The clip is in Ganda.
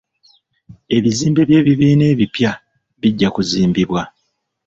Ebizimbe by'ebibiina ebipya bijja kuzimbibwa.